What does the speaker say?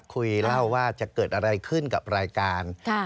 คุยเล่าว่าจะเกิดอะไรขึ้นกับรายการ